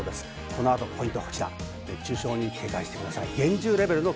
この後のポイントは熱中症に警戒してください。